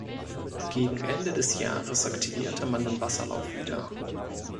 Gegen Ende des Jahres aktivierte man den Wasserlauf wieder.